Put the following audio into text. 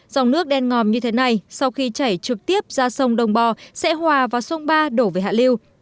dòng nước đen ngòm như thế này sau khi chảy trực tiếp ra sông đồng bò sẽ hòa vào sông ba đổ về hạ lưu